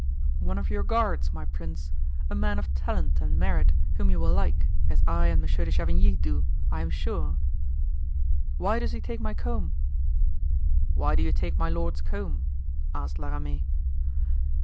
"One of your guards, my prince; a man of talent and merit, whom you will like, as I and Monsieur de Chavigny do, I am sure." "Why does he take my comb?" "Why do you take my lord's comb?" asked La Ramee.